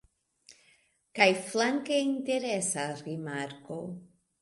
Kaj flanke interesa rimarko